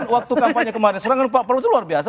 waktu kampanye kemarin serangan pak prabowo itu luar biasa